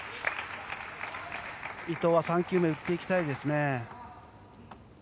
伊藤は３球目打っていきたいですね。